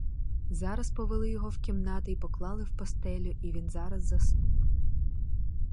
Зараз повели його в кімнати й поклали в постелю, і він зараз заснув.